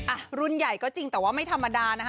อ่ะรุ่นใหญ่ก็จริงแต่ว่าไม่ธรรมดานะคะ